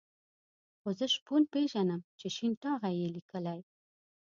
خو زه شپون پېژنم چې شين ټاغی یې لیکلی.